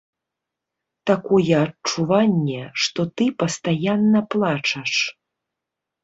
Такое адчуванне, што ты пастаянна плачаш.